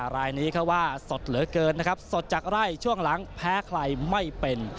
รายนี้เขาว่าสดเหลือเกินนะครับสดจากไร่ช่วงหลังแพ้ใครไม่เป็น